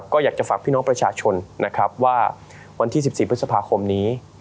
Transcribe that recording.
ก็อยากจะฝากพี่น้องประชาชนว่าวันที่๑๔พฤษภาคมนี้